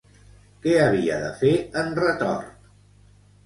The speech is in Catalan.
Què havia de fer en Retort?